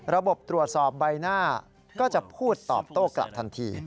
ระบบตรวจสอบใบหน้าก็จะพูดตอบโต้กลับทันที